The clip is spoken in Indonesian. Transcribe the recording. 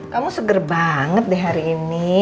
kamu seger banget deh hari ini